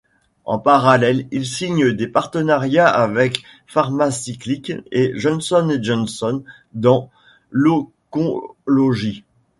En parallèle, il signe des partenariats avec Pharmacyclics et Johnson & Johnson dans l'oncologie.